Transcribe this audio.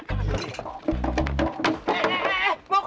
dek dia masuk